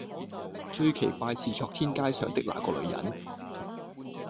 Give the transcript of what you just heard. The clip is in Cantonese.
最奇怪的是昨天街上的那個女人，